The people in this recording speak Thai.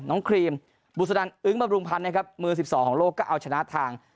ครีมบุษดันอึ้งบำรุงพันธ์นะครับมือ๑๒ของโลกก็เอาชนะทาง